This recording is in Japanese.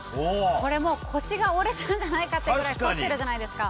これもう腰が折れちゃうんじゃないかってぐらい反ってるじゃないですか。